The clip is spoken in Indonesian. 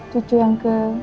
cucu yang ke